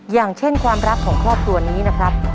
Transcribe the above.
อย่างเช่นความรักของครอบครัวนี้นะครับ